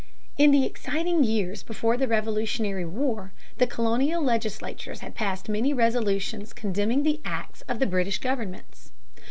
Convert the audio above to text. In the exciting years before the Revolutionary War the colonial legislatures had passed many resolutions condemning the acts of the British government (see pp.